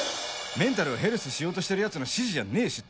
メンタルをヘルスしようとしてるヤツの指示じゃねえし